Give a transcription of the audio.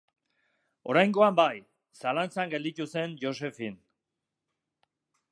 Oraingoan bai, zalantzan gelditu zen Josephine.